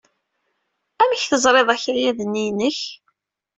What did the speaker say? Amek tezriḍ akayad-nni inek?